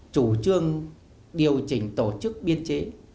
chủ trương điều chỉnh tổ chức biên chế